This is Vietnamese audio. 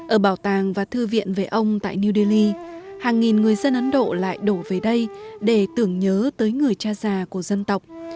ở bảo tàng và thư viện về ông tại new delhi hàng nghìn người dân ấn độ lại đổ về đây để tưởng nhớ tới người cha già của dân tộc